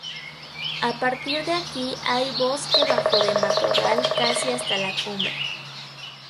A partir de aquí hay bosque bajo de matorral casi hasta la cumbre.